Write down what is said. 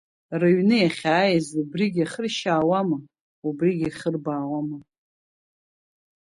Рыҩны иахьааиз убригьы иахыршьаауама, убригьы иахырбаауама?